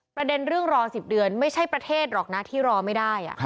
ประเด็นเรื่องรอ๑๐เดือนไม่ใช่ประเทศหรอกนะที่รอไม่ได้